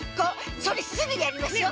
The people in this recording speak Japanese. それすぐやりましょう！